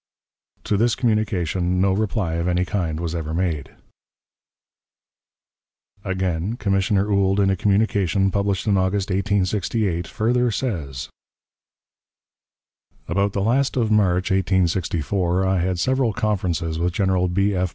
To this communication no reply of any kind was ever made. Again, Commissioner Ould, in a communication published in August, 1868, further says: "About the last of March, 1864, I had several conferences with General B. F.